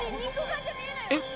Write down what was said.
えっ？